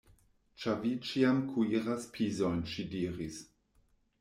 Ĉar vi ĉiam kuiras pizojn, ŝi diris.